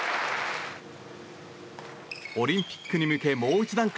オリンピックに向けもう一段階